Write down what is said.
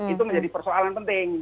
itu menjadi persoalan penting